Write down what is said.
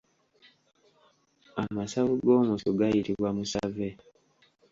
Amasavu g’omusu gayitibwa Musave.